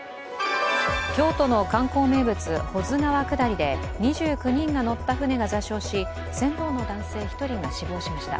京都の観光名物、保津川下りで２９人が乗った舟が座礁し、船頭の男性１人が死亡しました。